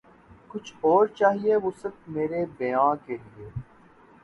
کچھ اور چاہیے وسعت مرے بیاں کے لیے